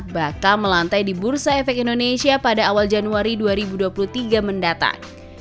bakal melantai di bursa efek indonesia pada awal januari dua ribu dua puluh tiga mendatang